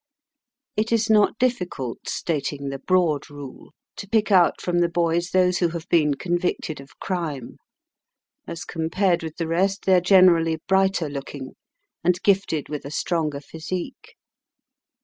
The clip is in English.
It is not difficult, stating the broad rule, to pick out from the boys those who have been convicted of crime. As compared with the rest they are generally brighter looking, and gifted with a stronger physique.